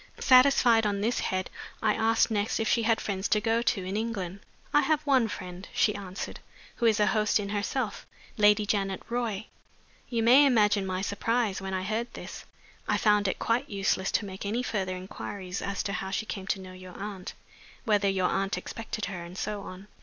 Satisfied on this head, I asked next if she had friends to go to in England. "I have one friend," she answered, "who is a host in herself Lady Janet Roy." You may imagine my surprise when I heard this. I found it quite useless to make any further inquiries as to how she came to know your aunt, whether your aunt expected her, and so on.